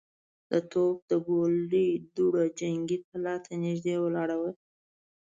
د توپ د ګولۍ دوړه جنګي کلا ته نږدې ولاړه وه.